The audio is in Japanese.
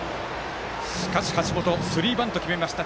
しかし、橋本スリーバント決めました。